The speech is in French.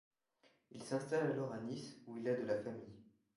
Il s'installe alors à Nice où il a de la famille.